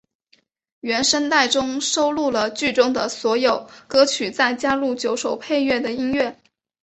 原声带中收录了剧中的所有歌曲再加入九首配乐的音乐。